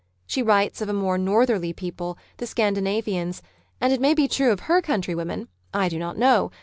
She writes of a more northerly people, the Scandina vians, and it may be true of her countrywomen, I do not know.